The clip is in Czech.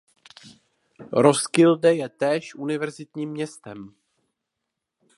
Roskilde je též univerzitním městem.